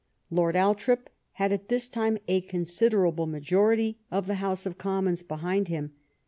Lord Althorp had at this time a considerable ma jority of the House of Commons behind him.